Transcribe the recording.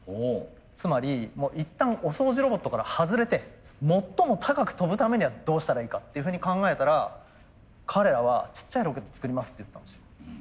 つまり一旦お掃除ロボットから外れて最も高く飛ぶためにはどうしたらいいかっていうふうに考えたら彼らは「ちっちゃいロケット作ります」って言ったんですよ。